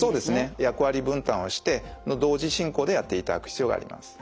役割分担をして同時進行でやっていただく必要があります。